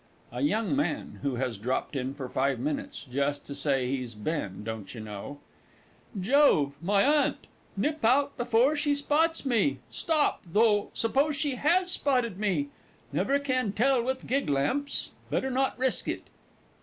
A YOUNG MAN (who has dropped in for five minutes "just to say he's been, don't you know"). 'Jove my Aunt! Nip out before she spots me.... Stop, though, suppose she has spotted me? Never can tell with giglamps ... better not risk it.